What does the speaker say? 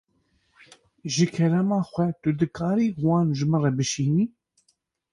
Ji kerema xwe tu dikarî wan ji min re bişînî.